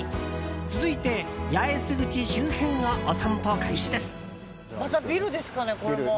続いて、八重洲口周辺をお散歩開始です。